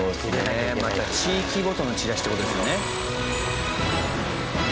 地域ごとのチラシって事ですよね。